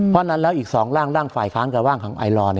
เพราะฉะนั้นแล้วอีก๒ร่างร่างฝ่ายค้านกับร่างของไอลอร์